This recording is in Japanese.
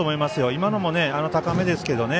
今のも高めですけどね